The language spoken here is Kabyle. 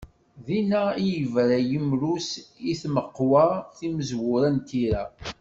Dinna i d-yebra yimru-s, i tmeqwa timezwura n tira.